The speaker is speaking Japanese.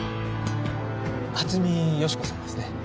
初見芳子さんですね？